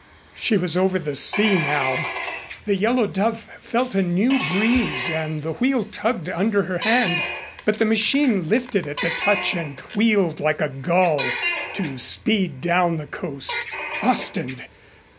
She was over the sea now. The Yellow Dove felt a new breeze and the wheel tugged under her hand, but the machine lifted at the touch and wheeled like a gull to speed down the coast. Ostend!